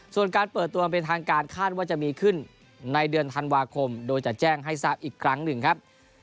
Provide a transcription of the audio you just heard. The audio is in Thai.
ส่วนการเปิดตัวมันเป็นทางการคาดว่าจะมีขึ้นในเดือนธันวาคมโดยจะแจ้งให้ทราบอีกครั้งหนึ่งครับ